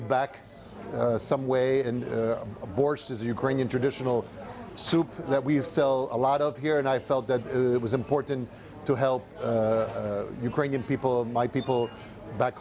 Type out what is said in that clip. dan saya merasa itu penting untuk membantu orang orang ukraina orang orang saya kembali ke rumah